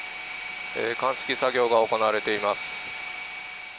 鑑識作業が行われています。